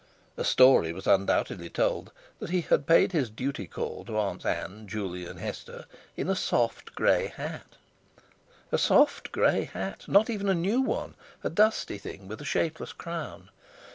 A story was undoubtedly told that he had paid his duty call to Aunts Ann, Juley, and Hester, in a soft grey hat—a soft grey hat, not even a new one—a dusty thing with a shapeless crown.